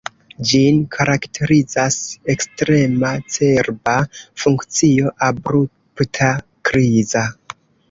Ĝin karakterizas ekstrema cerba funkcio abrupta, kriza.